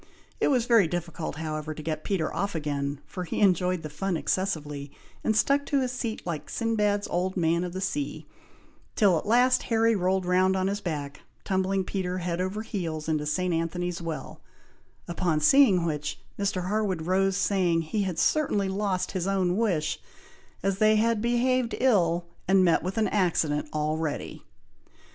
It was very difficult, however, to get Peter off again, for he enjoyed the fun excessively, and stuck to his seat like Sinbad's old man of the sea, till at last Harry rolled round on his back, tumbling Peter head over heels into St. Anthony's Well, upon seeing which, Mr. Harwood rose, saying, he had certainly lost his own wish, as they had behaved ill, and met with an accident already.